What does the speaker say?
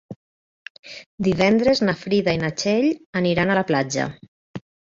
Divendres na Frida i na Txell aniran a la platja.